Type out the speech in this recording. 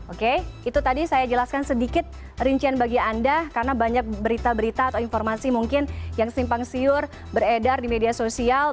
oke itu tadi saya jelaskan sedikit rincian bagi anda karena banyak berita berita atau informasi mungkin yang simpang siur beredar di media sosial